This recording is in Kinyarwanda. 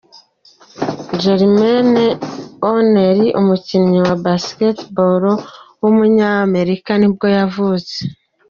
Jermaine O’Neil, umukinnyi wa Basketball w’umunyamerika nibwo yavutse.